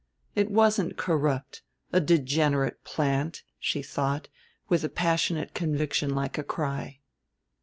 It wasn't corrupt, a "degenerate plant," she thought with a passionate conviction like a cry.